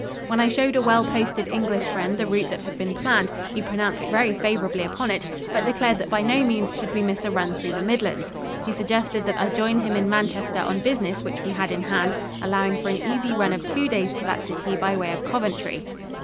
When I showed a well posted English friend the route that had been planned, he pronounced very favorably upon it, but declared that by no means should we miss a run through the Midlands. He suggested that I join him in Manchester on business which we had in hand, allowing for an easy run of two days to that city by way of Coventry.